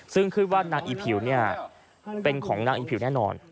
ซึ่งคิดว่านางอีผิวเนี่ยเป็นของนางอีผิวแน่นอน